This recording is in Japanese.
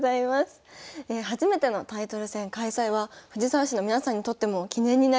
初めてのタイトル戦開催は藤沢市の皆さんにとっても記念になりますよね。